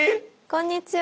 こんにちは。